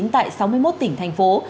tại sáu mươi một tỉnh thành phố